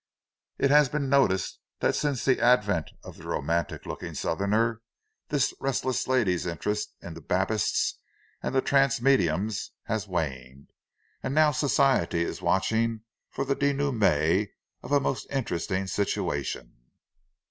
It has been noticed that since the advent of the romantic looking Southerner, this restless lady's interest in the Babists and the trance mediums has waned; and now Society is watching for the dénouement of a most interesting situation."